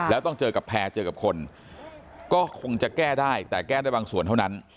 แล้วต้องเจอกับแพร่เจอกับคนก็คงจะแก้ได้แต่แก้ได้บางส่วนเท่านั้น